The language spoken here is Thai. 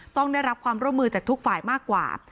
ต้องได้รับความร่วมมือจากทุกฝ่ายมากกว่า